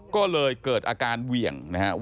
ก็เลยเกิดอาการเหวี่ยงนะครับ